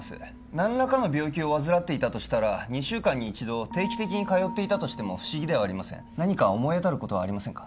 何らかの病気を患っていたとしたら２週間に一度定期的に通っていたとしても不思議ではありません何か思い当たることはありませんか？